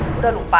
aku udah lupa